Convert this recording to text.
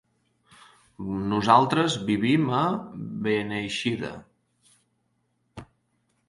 Nosaltres vivim a Beneixida.